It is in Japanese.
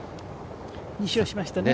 ２勝しましたね。